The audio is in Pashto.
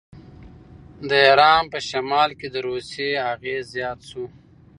د ایران په شمال کې د روسیې اغېز زیات شو.